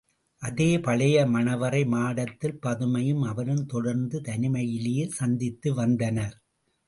அதே பழைய மணவறை மாடத்தில் பதுமையும் அவனும் தொடர்ந்து தனிமையிலே சந்தித்து வந்தனர்.